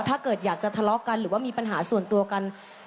ถ้าเกิดอยากจะทะเลาะกันหรือว่ามีปัญหาส่วนตัวกัน